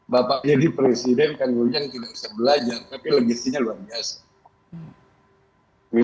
bapak jadi presiden kan kemudian tidak usah belajar tapi legisinya luar biasa